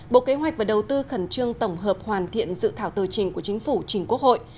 bộ kế hoạch và đầu tư khẩn trương tổng hợp hoàn thiện dự thảo tờ trình của chính phủ chính quốc hội